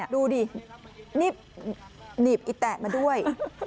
ดูดินี่หนีบอิแตะมาด้วย